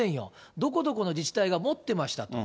どこどこの自治体が持ってましたと。